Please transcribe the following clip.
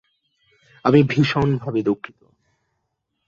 আমি ভীষনভাবে দুঃখিত।